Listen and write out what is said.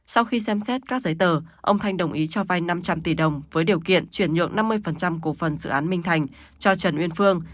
sau khi xem xét các giấy tờ ông thanh đồng ý cho vay năm trăm linh tỷ đồng với điều kiện chuyển nhượng năm mươi cổ phần dự án minh thành cho trần uyên phương